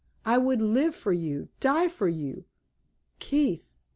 I would live for you, die for you, Keith!